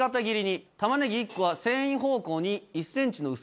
玉ねぎ１個は繊維方向に１ｃｍの薄切りにする。